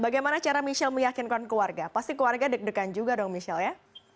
bagaimana cara michelle meyakinkan keluarga pasti keluarga deg degan juga dong michelle ya